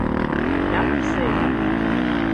ڍڪ سي